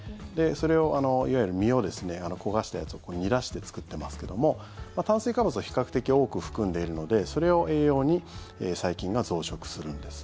それをいわゆる実を焦がしたやつを煮出して作っていますけども炭水化物を比較的多く含んでいるのでそれを栄養に細菌が増殖するんです。